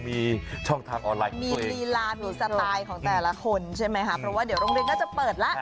มีรีลานสไตล์ของแต่ละคนใช่ไหมครับเดี๋ยวโรงเรียนก็จะเปิดละ